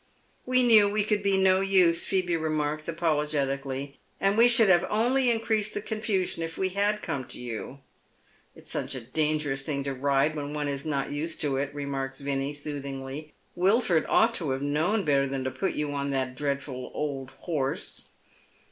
" We knew we could be no use," Phoebe remarks, apolo getically, " and we should have only increased the confusion if we had come to you." " It's such a dangerous thing to ride when one is not used to it," remarks Vinnie, soothingly. " W^ilf ord ought to have known better than to put you on that dreadful old horse."